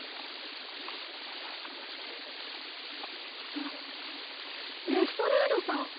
あっレストレードさん。